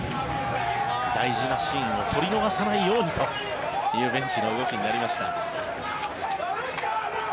大事なシーンを撮り逃さないようにというベンチの動きになりました。